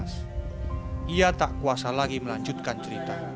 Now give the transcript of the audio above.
dia tak kuasa lagi melanjutkan cerita